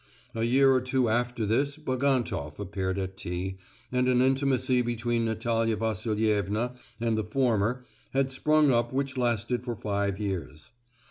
A year or two after this Bagantoff appeared at T——, and an intimacy between Natalia Vasilievna and the former had sprung up which lasted for five years.